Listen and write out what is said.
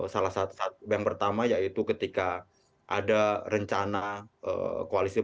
salah satu yang pertama yaitu ketika ada rencana koalisi